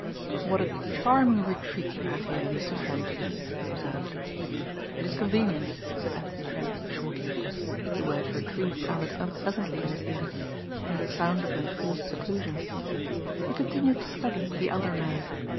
"What a charming retreat you have here, Mr. Trent," he observed. "It is convenient," said Anthony Trent shortly. The word "retreat" sounded unpleasantly in his ear. It had a sound of enforced seclusion. He continued to study the elder man.